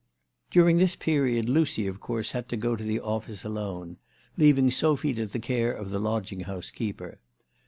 During this period Lucy of course had to go to the office alone, leaving Sophy to the care of the lodging house keeper.